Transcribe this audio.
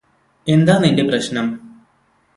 എന്താ നിന്റെ പ്രശ്നം